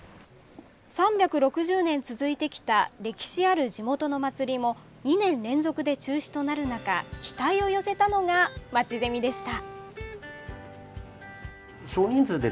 ３６０年続いてきた歴史ある地元の祭りも２年連続で中止となる中期待を寄せたのがまちゼミでした。